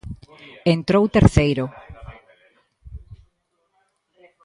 Entrou terceiro.